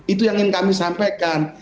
itu yang ingin kami sampaikan